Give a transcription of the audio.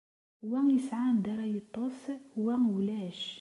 Wa yesɛa anda ara yeṭṭes, wa ulac.